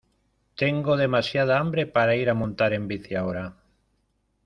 Tengo demasiada hambre para ir a montar en bici ahora.